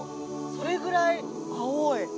それぐらい青い。